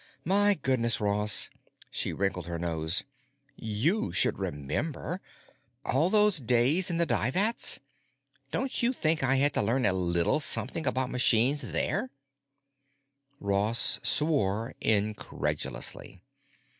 My goodness, Ross——" She wrinkled her nose. "You should remember. All those days in the dye vats? Don't you think I had to learn a little something about machines there?" Ross swore incredulously.